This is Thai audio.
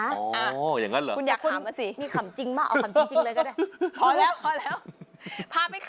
นี่ขำจริงมากเอาขำจริงเลยก็ได้